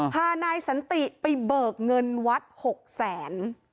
พานายสันติไปเบิกเงินวัด๖แสน